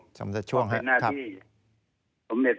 สมเด็จประสานในหลวงก็ต้านจะเตรียมตรงเตรียมประสานลุนาเห็นด้วย